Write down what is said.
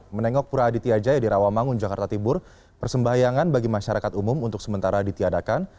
menengok pura aditya jaya di rawamangun jakarta tibur persembahyangan bagi masyarakat umum untuk sementara ditiadakan